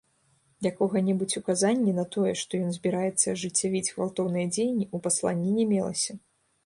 Якога-небудзь указанні на тое, што ён збіраецца ажыццявіць гвалтоўныя дзеянні, у пасланні не мелася.